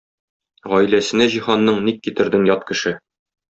Гаиләсенә җиһанның ник китердең ят кеше?!